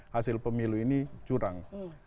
hasil pemilu ini curang